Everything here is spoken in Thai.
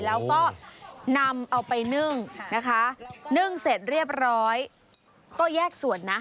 แล้วก็นำเอาไปนึ่งนะคะนึ่งเสร็จเรียบร้อยก็แยกส่วนนะ